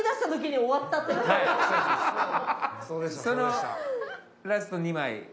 そのラスト２枚。